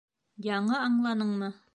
Яңы аңланыңмы?